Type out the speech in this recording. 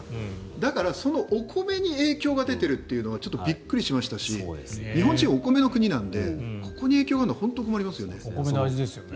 だから、そのお米に影響が出ているというのはちょっとびっくりしましたし日本人はお米の国なのでここに影響があるのは本当に困りますよね。